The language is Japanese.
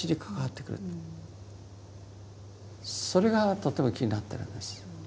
それがとても気になってるんです。